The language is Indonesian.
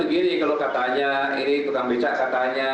begini kalau katanya ini tukang becak katanya